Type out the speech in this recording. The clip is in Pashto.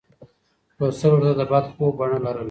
لوستل ورته د بد خوب بڼه لرله.